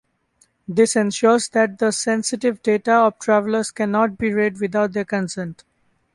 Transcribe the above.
This ensures that the sensitive data of travelers cannot be read without their consent.